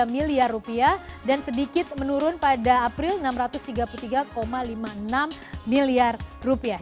dua puluh miliar rupiah dan sedikit menurun pada april enam ratus tiga puluh tiga lima puluh enam miliar rupiah